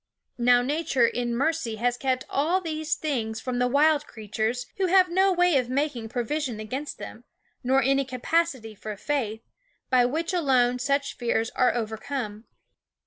Now Nature in mercy has kept all these things from the wild creatures, who have no way of making pro vision against them, nor any capacity for faith, by which alone such fears are overcome.